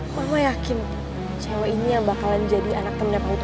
mbak mama yakin cewek ini yang bakalan jadi anak temennya pak utomo